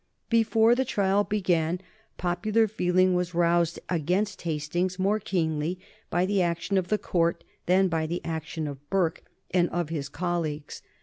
Before the trial began, popular feeling was roused against Hastings more keenly by the action of the Court than by the action of Burke and of his colleagues.